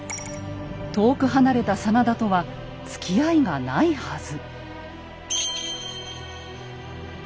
遠く離れた真田とはつきあいがないはず。